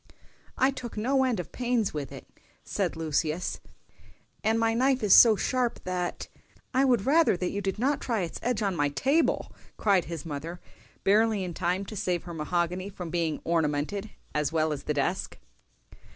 "I took no end of pains with it," said Lucius, "and my knife is so sharp that"— "I would rather that you did not try its edge on my table," cried his mother, barely in time to save her mahogany from being "ornamented" as well as the desk.